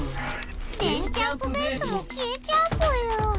電キャんぷベースもきえちゃうぽよ。